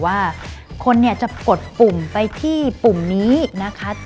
ว่าคนเนี่ยจะกดปุ่มไปที่ปุ่มนี้นะคะ